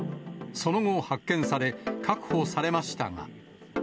その後、発見され、確保されましたが。